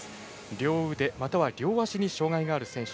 両腕、または両足に障がいがある選手。